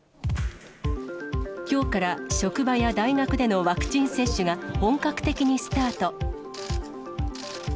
きょうから職場や大学でのワクチン接種が本格的にスタート。